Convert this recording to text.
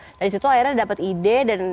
nah dari situ akhirnya dapet ide dan